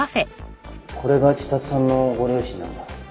これが知里さんのご両親なんだ。